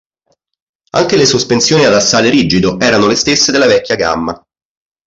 Anche le sospensioni ad assale rigido erano le stesse della vecchia gamma.